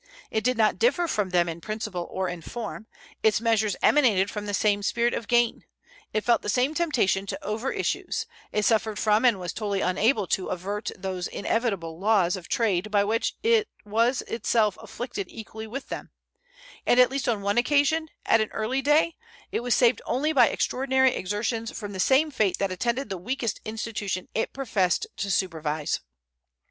It did not differ from them in principle or in form; its measures emanated from the same spirit of gain; it felt the same temptation to overissues; it suffered from and was totally unable to avert those inevitable laws of trade by which it was itself affected equally with them; and at least on one occasion, at an early day, it was saved only by extraordinary exertions from the same fate that attended the weakest institution it professed to supervise.